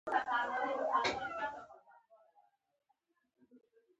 احمد خپلو بدو اولادونو په شرمونو و شرمولو.